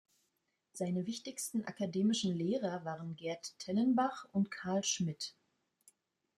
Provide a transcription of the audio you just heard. Seine wichtigsten akademischen Lehrer waren Gerd Tellenbach und Karl Schmid.